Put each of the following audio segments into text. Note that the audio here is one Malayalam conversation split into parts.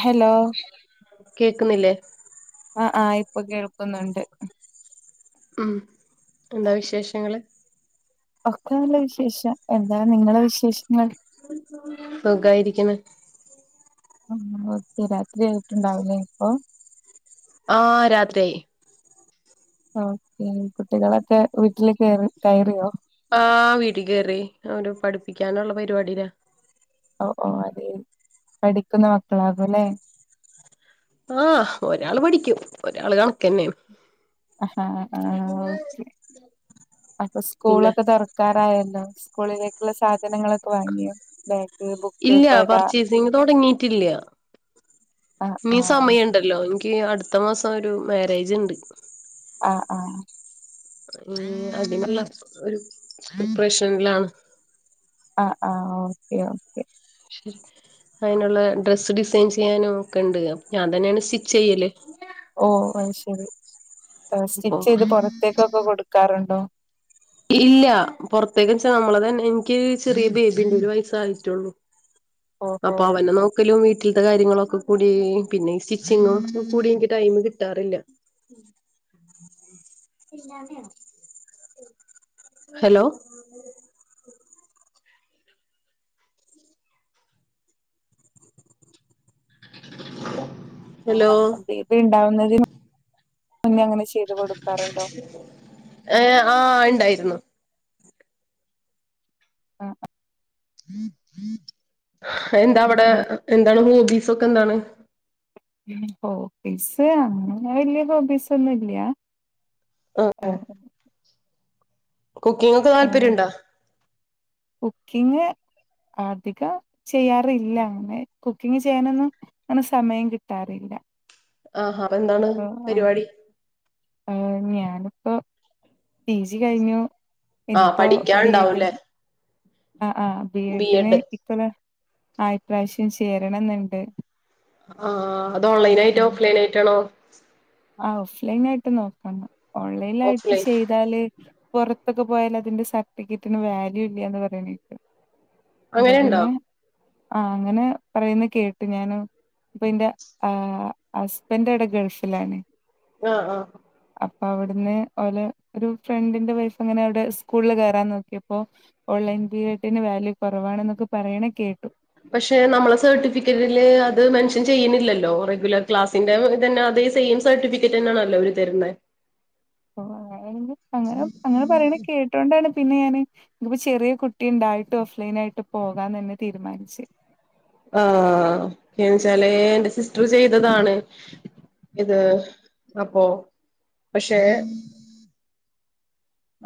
ഹലോ കേക്കുന്നില്ലേ ആ ആ ആ ഇപ്പോ കേൾക്കുന്നുണ്ട്. ഉം എന്താ വിശേഷങ്ങള്? ഒക്കെ നല്ല വിശേഷം എന്താ നിങ്ങളെ വിശേഷങ്ങൾ? സുഖായിരിക്കണ്. ആ ഓക്കെ രാത്രി ആയിട്ടുണ്ടാവുലേ ഇപ്പോ? ആ രാത്രി ആയി. ഓക്കേ കുട്ടികളൊക്കെ വീട്ടില് കേറി കയറിയോ? ആ വീട്ടിക്കയറി അവര് പഠിപ്പിക്കാനുള്ള പരിപാടിലാ. ഓ അതേ പഠിക്കുന്ന മക്കളാകുല്ലേ? ആഹ് ഒരാള് പഠിക്കും ഒരാള് കണക്കന്നേണ്. ആഹ് ആഹ് ഓക്കെ അപ്പോ പിന്നെ സ്കൂളൊക്കെ തുറക്കാറായല്ലോ സ്കൂളിലേക്കുള്ള സാധനങ്ങളൊക്കെ വാങ്ങിയോ ബേഗ്, ബുക്ക്, ഇല്ല കൊട പർച്ചേസിങ് ആ ഇനീ ആ സമയൊണ്ടല്ലോ എനിക്കിനി അടു ത്ത മാസൊരു മാര്യേജിണ്ട്. ആ ആഹ് അതിനുള്ള ഒരു പ്രിപ്രേഷനിലാണ്. ആ ആ ഓക്കെ ഓക്കെ ശരി അയിനുള്ള ഡ്രസ്സ് ഡിസൈൻ ചെയ്യാനും ഒക്കെണ്ട് അപ്പോ ഞാൻ തന്നെയാണ് സ്റ്റിച്ച് ചെയ്യല്. ഓ അയ്ശരി. ഏഹ് അപ്പൊ സ്റ്റിച്ച് ചെയ്ത് പുറത്തേക്കൊക്കെ കൊടു ക്കാറുണ്ടോ? ഇല്ല്യ പൊറത്തേക്കിച്ചാ നമ്മളതന്നെ ഇനിക്ക് ചെറിയ ബേബിണ്ട് ഒരു വയസായിട്ടുള്ളൂ. ഓഹോ അപ്പൊ അവനെ നോക്കലും വീട്ടിൽത്തെ കാര്യങ്ങളും- ക്കൊക്കൂടി പിന്നെ സ്റ്റിച്ചിങ്ങും ക്കൊക്കൂടി എനിക്ക് ടൈം കിട്ടാറില്ല ഹെലോ- [inaudible] ആ ആ ബേബി ഉണ്ടാവുന്നത് തിൻ- മുന്നെ അങ്ങനെ ചെയ്ത് കൊടുക്കാറുണ്ടോ? ഏ ആ ണ്ടായിരുന്നു- ആഹ് അ [unintelligible] എന്താ അവടെ പിന്നെ എന്താണ് മു കീസൊക്കെന്താണ് ഹോപ്പീസ് അങ്ങനെ വല്യേ ഹോബീസൊന്നുല്ല്യ ആ ഉം കുക്കിങ്ങൊക്കെ താല്പര്യ ണ്ടോ കുക്കിങ്ങ് അധികം ചെയ്യാറില്ലങ്ങനെ കുക്കിങ് ചെയ്യാനൊന്നും ങ്ങനെ സമയം കിട്ടാറില്ല ആഹാ അപ്പൊ എന്താണ് പരിപാടി ആർ ഞാനിപ്പോ പി ജി കഴിഞ്ഞു ആഹ് പഠിക്കാണ്ടാവുംല്ലേ ആ ആ് ബി എഡിനെ ഇക്കല ആ പ്രാവശ്യം ചേരണം എന്നുണ്ട് ആഹ് അത് ഓൺലൈൻ ആായിട്ടോ ഓഫ്‌ലൈൻ ആയിട്ടാണോ ആ ഓഫ്ലൈൻ ആയിട്ട് നോക്കണം. ഓൺലൈലായിട്ട് ഓഫ്ലൈൻ ചെയ്താല് പുറത്തൊക്കെ പോയാൽ അതിന്റെ സർട്ടിഫിക്കറ്റിന് വാല്യൂ ഇല്ലന്ന് പറയണ അപ്പൊ അങ്ങനെയുണ്ടോ പിന്നെ ആ അങ്ങനെ പറയുന്നത് കേട്ടു ഞാന് ഇപ്പ എന്റെ ഹസ്ബൻഡടെ ഗൾഫിലാണ് ആഹ് ആഹ് അപ്പൊ അവിടുന്ന് ഓല ഒരു ഫ്രണ്ടിന്റെ വൈഫ് അങ്ങനെ അവിടെ സ്കൂളിൽ കേയറാൻ നോക്കിയപ്പോ ഓൺലൈൻ പീരിയഡിന് വാല്യൂ കുറവാണെന്നൊക്കെ പറയണ കേട്ടു പക്ഷെ നമ്മളെ സർട്ടിഫിക്കറ്റില് അത് മെൻഷൻ ചെയ്യുന്നില്ലല്ലോ റെഗുലർ ക്ലാസിന്റെ ഇതന്നെ അതേ സെയിം സർട്ടിഫിക്കറ്റ് തന്നാണല്ലോ അവര് തരുന്നത് അങ്ങനെ അങ്ങനെ പറയണ കേട്ടോണ്ടാണ് പിന്നെ ഞാനിപ്പോ ചെറിയ കുട്ടി ഉണ്ടായിട്ട് ഓഫ്ലൈൻ ആയിട്ട് പോകാന്ന് തന്നെ തീരുമാനിച്ചു ആഹ ച്ചാല് എന്റെ സിസ്റ്റർ ചെയ്തതാണ് ഇത് അപ്പോ പക്ഷെ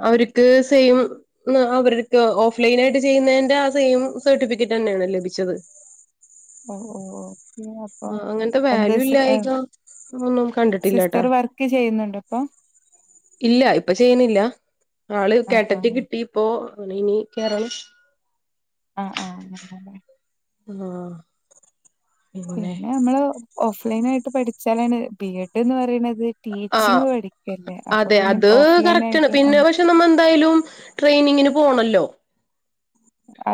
അവർക്ക് സെയിം അവർക്ക് ഓഫ്ലൈൻ ആയിട്ട് ചെയ്യുന്നതിന്റെ ആ സെയിം സർട്ടിഫിക്കറ്റ് തന്നെയാണ് ലഭിച്ചത് ഓ ഓ ഓ ആ അങ്ങനത്തെ വാല്യൂ ഇല്ലായക എന്ന ഒന്നും കണ്ടിട്ടില്ലട്ടാ സിസ്റ്റർ വർക്ക് ചെയ്യുന്നുണ്ടോ ഇപ്പൊ ഇല്ല ഇപ്പൊ ചെയ്യുന്നില്ല ആള് ആഹ് കേട്ടറ്റ ആഹ് കിട്ടി ഇപ്പോൊ അന ഇനി കേയറണം ആഹ ആഹ ആ ആഹ് പിന്നെ നമ്മള് ഓഫ് ലൈൻ ആയിട്ട് പഠിച്ചാലാണ് ബി എഡ് എന്ന് പറയണുന്നത് ആ അതെ പിന്നെ അത് ഓഫ്‌ലൈൻ ആയിട്ട് കറക്ന്നെ ആഹ് പക്ഷെ നമ്മ എന്തായാലും ട്രെയിനിങ് പോണല്ലോ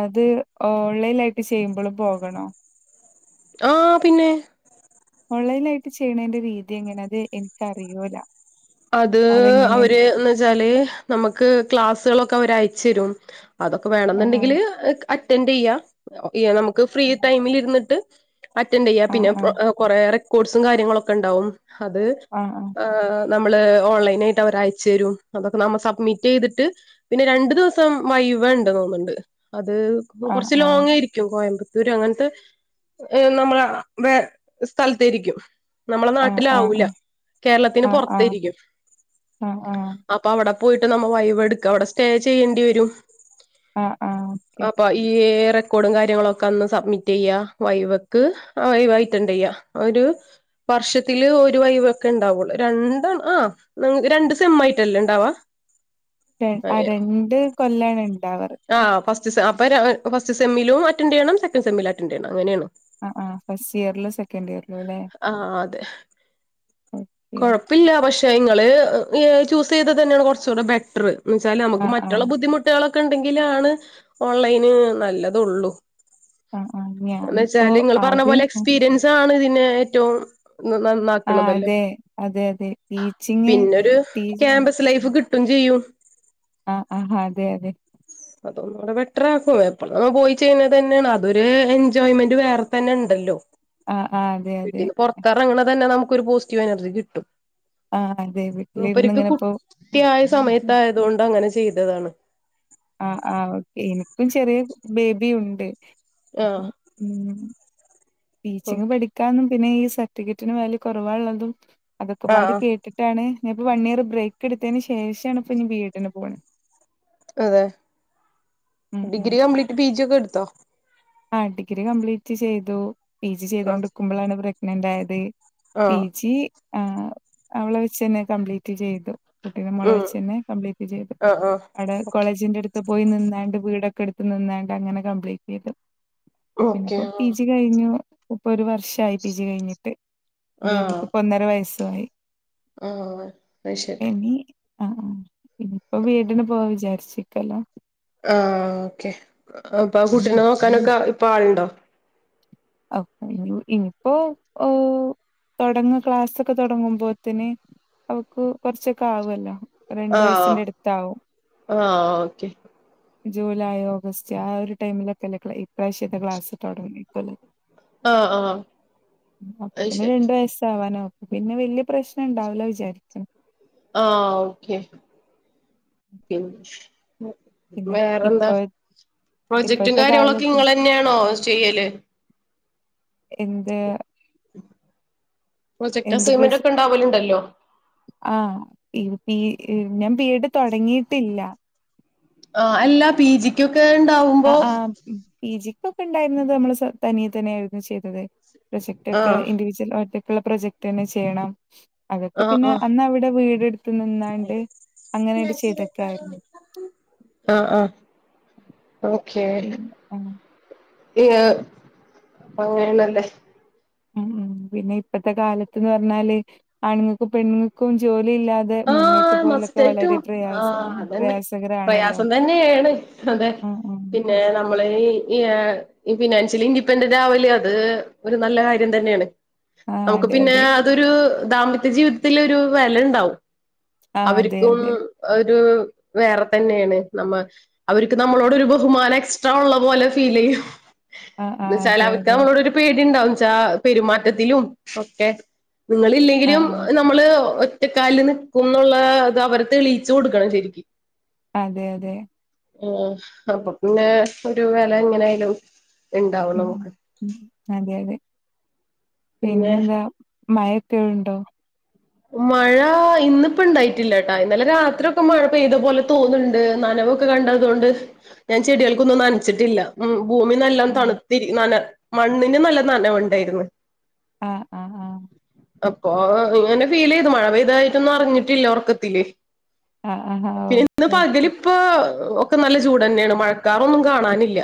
അത് ഓൺലൈൻ ആയിട്ട് ചെയ്യുമ്പോളും പോകണോ ആഹ് പിന്നെ ഓൺലൈനായിട്ട് ചെയ്യണതിന്റെ രീതി എങ്ങനെ അത് എനിക്കറിയൂല്ല അത് അവര്ന്ന് വെച്ചാല് നമുക്ക് ക്ലാസ്സുകളൊക്കെ ഒക്കെ അയച്ച തരും അതൊക്കെ ആഹ് വേണെന്നുണ്ടെങ്കില് അറ്റൻഡ് ചെയ്യാ നമ്മക്ക് ഫ്രീ ടൈമിൽ ഇരുന്നിട്ട് അറ്റൻഡ് ചെയ്യ ആഹ് പിന്നെ ആഹ് കൊററെ ഫ്രുട്സും കാര്യങ്ങളൊക്കെ ഉണ്ടാവും അത് ആഹ് നമ്മള് ഓൺലൈനായിട്ട് അവര് അയച്ചു തരും, അതൊക്കെ നമ്മ സബ്മിറ്റ് ചെയ്തിട്ട് പിന്നെ രണ്ട് ദിവസം വൈവ ഇണ്ട് തോന്നുന്നുണ്ട്. അത് ആഹ് കൊറച്ച് ആഹ് ലോങായിരിക്കും കോയമ്പത് ത്തൂര് അങ്ങനത്തെ ഏ നമ്മള വെ സ്ഥലത്തായിരിക്കും. നമ്മളെ ആഹ് ആഹ് നാട്ടിലാവൂല കേരളത്തിന് ആഹ് പൊറത് ആഹ് [unintelligible] ആഹ് ആഹ് ആഹ് അപ്പ അവട പോയിട്ട് നമ്മൾ വൈവെ എട്ക്ക, അവിടെ സ്റ്റേ ചെയ്യേണ്ടി വരും. ആഹ് ആഹ് ഓക്കെ അപ്പ ഈ ഏറെ ക്കോടും കാര്യങ്ങളൊക്കെ അന്ന് സബ്മിറ്റ് ചെയ്യ വൈവക്ക്, വൈവ അറ്റന്റ് ചെയ്യ, ഒരു വർഷത്തില് ഒരു വൈവക്കെ ഉണ്ടാവുള്ളൂ, രണ് [unintelligible] ആ [unintelligible] രണ്ട് സെമ്മായിട്ടല്ലേ ഇണ്ടവാ? ര ആ രണ്ട് കൊല്ലാണ്. ഉണ്ടാവാറ് ആ ഫസ് [unintelligible] അപ്പ ര ഫസ്റ്റ് സെമ്മിലും അറ്റൻ്റ് ചെയ്യണം, സെകൻ്റ് സെമ്മിലും അറ്റൻ്റ് ചെയ്യണം അങ്ങനെയാണ്. ആ ആ ഫസ്റ്റ് ഇയറിലും സെക്കൻഡ് ഇയറിലും അല്ലെ? ആഹ് അതെ കൊഴപ്പില്ല പഷ് റ്റെ ഇങ്ങള് ഏ ചൂസ് ചെയ്തത് തന്നെയാണ് കൊറച്ചൂടെ ബെറ്ററ്. എന്ന് വച്ചാല് നമ്മക്ക് ആഹ് മറ്റുള്ള ആഹ് ബുദ്ധമുട്ടുകളൊ ണ്ടെങ്കിലാണ് ഓൺലൈന് നല്ലതൊള്ളൂ ആഹ് ആഹ് എന്ന് ഞാനിപ്പോ വച്ചാല് നിങ്ങ പറഞ്ഞ പോലെ ആദ്യം എക്സ്പീരിയൻസണ് ഇ ന്നെ ഏറ്റോം ആഹ് നന്നാക്കണതല്ലേ അതെ അതെ അതെ ടീച്ചിങ് പിന്നോരു ടീച്ച ക്യാമ്പസ് ലൈഫ് കിട്ടും ചെയ്യും ആഹ് ആ അതെ അതെ അതൊന്നുടെബെറ്ററാക്കും എപ്പളും അത് പോയി ചെയ്യുന്നത് തന്നെയാണ് അതൊരു എൻജോയ്മെന്റ് വേറെ തന്നെ ഉണ്ടല്ലോ ആഹ് ആഹ് അതെ അതെ വീട്ടീന്ന് പുറത്തറങ്ങനെ തന്നെ നമുക്ക് ഒരു പോസിറ്റീവ്നർജി കിട്ടും ആഹ് അതെ മൂപ്പര് വീട്ടിലിരുന്ന് ക്ക് ഇങ്ങനെപ്പോ കുട്ടിയായ സമയത്തായതോണ്ട് അങ്ങനെ ചെയ്തതാണ് ആ ആ് ഓക്കെ എനിക്കും ചെറിയ ബേബി യുണ്ട് അപ്പൊ ആഹ് ഉം ടീച്ചിങ് ഓക്കെ പഠിക്കാനന് പിന്നെ ഈ സർട്ടിഫിക്കറ്റിന് വാല്യൂ കുറവ ഉള്ളതും അതൊക്കെ പാടി ആഹ് കേട്ടിട്ടാണ് ഞപ്പ വൺ ഇയർ ബ്രേക്ക് എട്ത്തേന് ശേഷണ ഇപ്പ ഇനി ബി എടിന് പോണ അതെ ഡിഗ്രി കംപ്ലീറ്റ് പിജി ഒക്കെ എടുത്തോ ആടിഗ്രി കംപ്ലീറ്റ് ചെയ്തു പി ജി ചെയ്തൊണ്ടടുക്കുമ്പോഴാണ് ബ്രേക്ക് പിന്നെണ്ടായത് പി ആഹ് ജി ആഹ്ആ അവളെ വെച്ച്ന്നെ കംപ്ലീറ്റ് ചെയ്തു കുട്ടി നമ്മളെ ഉം വെുച്ചു തന്നെ കംപ്ലീറ്റ് ചെയ്തു ആഹ് ആഹ് അവിടെ ഓക്കെ കോളേജിന്റെ അടുത്ത് ത് പോയി നിന്നാണ്ട് വീടൊക്കെ എടുത്ത് നിന്നാണ്ട് അങ്ങനെ കംപ്ലീറ്റ് ചെയ്തു ഓക്കെ പിന്നെപ്പം ആഹ് പി ജി കഴിഞ്ഞു ഇപ്പൊരു വർഷായി പി ജി കഴിഞ്ഞിട്ട് ബേബിക്ക് ഇപ്പൊന്നര വയസ്സ് സായ് ആഹ്ആ അത് ശെരി ആഹ് ആണ് ഇനിയിപ്പോ വീടിന് പോവാ വിചാരിച്ചിക്കല്ലോ ആഹ്ആആ ഓക്കെ അപ്പൊ ആ കുട്ടിനെ നോക്കാനൊക്കെ ഇപ്പ ആളുണ്ടോ ഇനി ഇനിപ്പോ തൊടങ്ങ ക്ലാസ്സൊക്കെ തുടങ്ങുമ്പോത്തന് അവക്ക് കുറച്ചൊക്കെ ആവല്ലോ രണ്ട് വയസ്സിന്റെ അട്ത്താവും ആഹ്ആ ഓക്കെ ജൂലൈ ഓഗസ്റ്റ് ആ ഒരു ടൈമിലൊക്കെല്ല ഇപ്രാവശ്യത്തെ ക്ലാസ് തുടങ്ങിക്കല്ല ആഹ് ആഹ് അത് അപ്പപിന്നെ ശരി രണ്ടു വയസ് ആവാനോ പിന്നെ വല്യ പ്രശ്നം ഇണ്ടാവലോ വിചാരിക്കണം ആഹ്ആ ഓക്കെ പിന്നെ ഇപ്പ വേറെന്താ പ്രോജക്ടും ഇപ്പോഴത്തെ കാര്യങ്ങളൊക്കെ കാലത്ത് ഇങ്ങള്അയാണോ ചെയ്യല് എന്ത് പ്രൊജക്റ്റ് എന്ത് അസൈമെന്റ് പ്രശ് ഒക്കെ ഇണ്ടാവലുണ്ടല്ലോ ആ ഈ പി ഞാൻ ബി എഡ് തൊടങ്ങിയിട്ടില്ല ആഹ് അല്ലാ പി ജിക്കും ആഹ് ആഹ പിജി ഇപ്പൊ പിന്നെ ഇന്ന് അത് നമ്മൾ തനിയെ തന്നെയ എഴുതി ചെയ്തത്. പ്രൊജക്റ്റ് ഒക്കെ ആഹ് ഇൻഡിവിജ്വൽ ആയിട്ട ള്ള പ്രൊജക്ട് തന്നെ ചെയ്യണം. അതൊക്കെ ആഹ് പിന്നെ ആഹ് അന്ന് അവിടെ വീടെടുത്ത് നിന്നണ്ട് അങ്ങനെയട്ട ചെയ്തൊക്കെ ആയിരുന്നു ആഹ് ആഹ് പി ആഹ ഇ ആ ഉ ഉ പിന്നെ ഇപ്പത്തെ കാലത്ത്ന്ന് പറഞ്ഞാല് ആണുങ്ങൾക്കും പെണ്ണുങ്ങൾക്കും ജോലി ഇല്ലാതെ ആ മുന്നോട്ട് പോകലൊക്കെ മസ്റ്റ് ആ യിട്ടും വളരെ പ്രയാസ ആഹ അതന്നെ പ്രയാസകരാണല്ലോ പ്രയാസം തന്നെയാണ്. അതെ ആഹ് പിന്നെ ആഹ് നമ്മളെ ഈ ഈ ഈ ഫിനാൻഷ്യലി ഇൻഡിപെൻഡന്റ് ആവല്ലേ അത് ഒരു നല്ല കാര്യം തന്നെയാണ്. ആഹ് നമുക്ക് അതെ പിന്നെ അതെ അതൊരു ദാമ്പത്യ ജീവിതത്തിൽ ഒരു വില ഉണ്ടാവും. ആഹ് അതെ അവർക്കും അതെ ഒരു വേറെ തന്നെയാണ് നമ്മ അവർക്ക് നമ്മളോട് ഒരു ബഹുമാനം എക്സ്ട്രാ ഉള്ള പോലെ ഫീൽ ചെയ്യും. ആഹ് എ ന്ന് ആഹ് വെച്ചാൽ അതെ അവക്ക് അതെ നമ്മളോട് ഒരു പേടി ഉണ്ടാവും. എന്ന് വെച്ചാ പെരുമാറ്റത്തിലും ഒക്കെ നിങ്ങൾ ഇല്ലെങ്കിലും ആഹ് ആഹ് നമ്മള് ഒറ്റക്കാലിൽ നിക്കാ ക്കും എന്നുള്ള ഇത് അവർ തെളിയിച്ചു കൊടുക്കണം ശരിക്കും. അതെ അതെ ആ അപ്പൊ പിന്നെ ഒരു വില എങ്ങനെ ആയാലും ഉ ഉ അതെ അതെ പിന്നെ എന്താ മഴക്കെ ഉണ്ടോ? മഴ ഇന്നിപ്പോ ഇണ്ടായിട്ടില്ലട്ടാ ഇന്നലെ രാത്രിയൊക്കെ മഴപെയ്തപോലെ തോന്നണ്ട് നനവൊക്കെ കണ്ടതോണ്ട് ഞാൻ ചെടികൾക്കൊന്നും നനച്ചിട്ടില്ല മ് ഭൂമിനല്ലോം ആഹ് തണുത്തി നന മണ്ണിന് നല്ല നനവുണ്ടായിരുന്നു ആഹ ആഹ ആഹ അപ്പൊ ഇങ്ങനെ ഫീൽ ചെയ്ത് മഴ പെയ്തായിട്ടൊന്നും അറിട്ടില്ല ഉറക്കതില് ആഹ് ആഹ് ആഹ് പി ഇന്ന് ഓക്കെ പകല് ഓക്കെ ഇപ്പൊ ഓക്ക് നല്ല ചൂട് തന്നെയാണ് മഴക്കാറൊന്നും കാണാനില്ല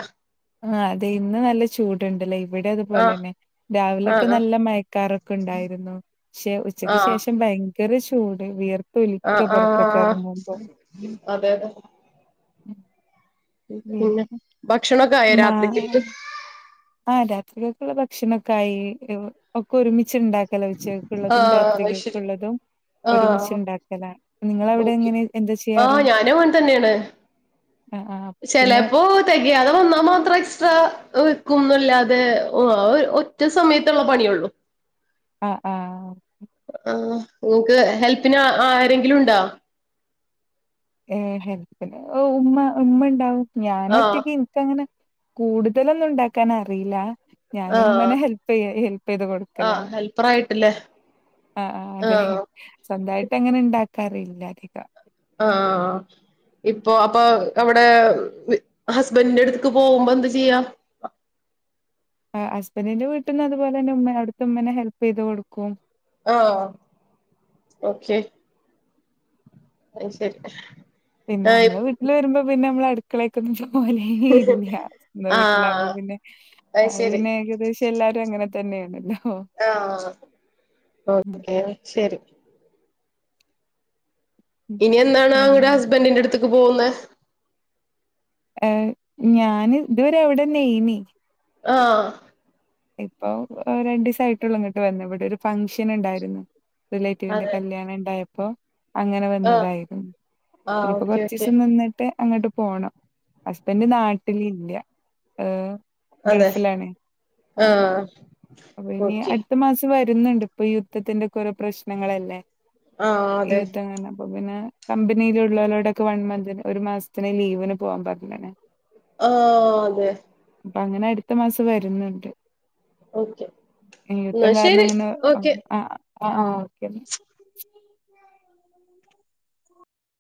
ആ അതെ ഇന്ന് നല്ല ചൂടുണ്ടല്ലേ ഇവിടെ അതുപോലെ ആഹ് തന്നെ രാവിലൊക്കെ ആഹ് നല്ല മയക്കാറൊക്കെ ഒക്ക ഉണ്ടായിരുന്നു പക്ഷെ ഉച്ചയ്ക്ക് ആഹ് ശേഷം ഭയങ്കര ചൂ ചൂട് വിയർക് ആഹ് ആഹ് അതെ അതെ ഉം പിന്നെ ഭക്ഷണൊക്കെ ആയ മാ രാത്രിക്കക്ക് ആഹ് രാത്രിക്കേക്കുള്ള ഭക്ഷണൊക്കെ ആയി ഒക്കെ ഒരുമിച്ച് ച്ച് ഉണ്ടാക്കല ഉച്ചക്കേക്കുള്ളതും ആഹ് അത് ശരി രാത്രിക്കേക്കുള്ളതും ഒരുമിച്ച് ആഹ് ഉണ്ടാക്കല നിങ്ങളവിടെ ഓക്കെ എങ്ങനെ എന്താ ചെയ്യാറ് ആഹ് ആഹ് പിന്നെ ചെലേപ്പോ തികയാതെ വന്നാമാത് ത്ര എക്സ്ട്രാ വെക്കും എന്നല്ലാതെ ഒറ്റ സമയത്തുള്ള പണിയേ ഉള്ളൂ ആഹ് ആഹ് ആഹ് നിങ്ങക്ക് ഹെൽപ്പിന് ആരെങ്കിലും ഉണ്ടോ ഏ ഹെല്പിന് ഉമ്മ ഉമ്മ ഉണ്ടാവും ഞാൻ ആഹ് ഒറ്റയ്ക്ക് ഇനിക്കങ്ങനെ കൂടുതലൊന്നും ഉണ്ടാക്കാനറിയില്ല ഞാനും ആഹ് ഉമ്മാനെ ഹെൽപ് ചെയ്യും ഹെൽപ് പ്പ ഇത് കൊടുക്കലാണ് അല്ലേ ആഹ് ആ അതെ സ്വന്തായിട് ട്ടങ്ങനെ ഉണ്ടാക്കാറില്ല അധികം ആഹ് ആഹ് ഇപ്പൊ അപ്പൊ അവിടെ വി ഹസ്ബൻഡിന്റെ അടുത്തക്ക് പോകുമ്പോ എന്താ ചെയ്യാ ആ ഹസ്ബൻ്റിന്റെ വീട്ട്ന്ന് അതുപോലെ തന്നെ ഉമ്മ അവിടുത്തെ ഉമ്മാനെ ഹെൽപ് ചെയ്ത് കൊടുക്കും ആഹ് ഓക്കെ അയ്ശെരി പിന്നെ നമ്മളെ വീട്ടിൽ വരുമ്പോ പിന്നെ നമ്മളട് അടുക്കളെക്കൊന്നും പോവലെ ഇല്ല സ്വന്തം വീട്ടിലാകുമ്പോ ആഹ് പിന്നെ അത് പിന്നെ ഏകദേശം എല്ലാരും അങ്ങനെ ത തന്നെയാണല്ലോ ആഹ് ഉം ഓക്കെ ശരി ഉം ഇനി എന്നാണ് അവിടെ ഹസ്ബൻഡിന്റെ അടുത്ത്ക്ക് പോകുന്നെ? ഏഹ് ഞാന് ഇതുവരെ അവിടെന്നയേനി ആഹ് ഇപ്പൊ രണ്ടു ദിവസായിട്ടുള്ളൂ ഇങ്ങോട്ട് വന്ന് ഇവിടെ ഒരു ഫംങ്ഷൻ ഉണ്ടായിരുന്നു റിലേറ്റീവിന്റെ അതെ കല്യാണം ഇണ്ടായപ് അപ്പോ അങ്ങനെ ആഹ് വന്നതായിരുന്നു ആഹ് ഇനിയിപ്പോ ഓക്കെ ഓക്കെ കൊറചച്ചിസം നിന്നിട്ട് അങ്ങട്ട് പോണം ഹസ്ബൻഡ് നാട്ടിലില്ല ഏ അതെ ഗൾഫിലാണ് ആഹ് ഓക്കെ വരുന്ന്ണ്ട് ഇപ്പൊ യുദ്ധത്തിന്റെ കൊറെ പ്രശ്നങ്ങളല്ലേ ആഹ് ഈ അതെ യുദ്ധം കാരണം അപ്പൊ പിന്നെ കമ്പനിലുള്ളവരോടൊക്കെ വൺ മന്തിന് ഒരു മാസത്തിന് ലീവിന് പോവാ പറ [unintelligible] ആഹ് അതെ അപ്പൊ അങ്ങനെ അടുത്ത മാസം വരുന്ന് ഓക്കെ എന്നാ യുദ്ധം കാരണം ശരി അങ്ങനെ ഓക്കെ അ ആ ഓ [unintelligible]